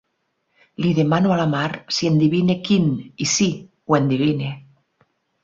Li demano a la Mar si endevina quin i sí, ho endevina.